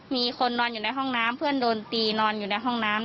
มีคนนอนอยู่ในห้องน้ำเพื่อนโดนตีนอนอยู่ในห้องน้ำ